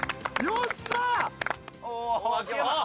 よっしゃ！